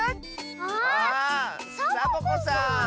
あサボ子さん。